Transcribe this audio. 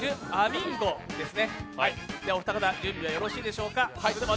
お二方、準備はよろしいでしょうか。